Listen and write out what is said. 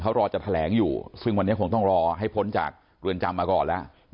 เขารอจะแถลงอยู่ซึ่งวันนี้คงต้องรอให้พ้นจากเรือนจำมาก่อนแล้ว